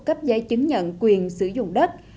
cấp giấy chứng nhận quyền sử dụng đất